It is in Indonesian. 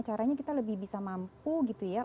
caranya kita lebih bisa mampu gitu ya